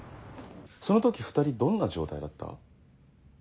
その時２人どんな状態だった？